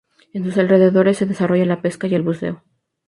En sus alrededores se desarrolla la pesca y el buceo.